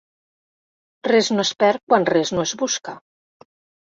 Res no es perd quan res no es busca.